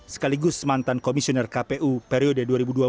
sekaligus semantan komisioner kpu periode dua ribu dua belas